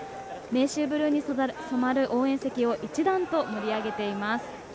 明秀ブルーに染まる応援席を一段と盛り上げています。